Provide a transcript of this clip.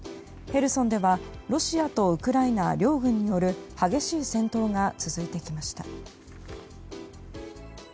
ヘルソンではロシアとウクライナ両軍による激しい戦闘が続いてきました。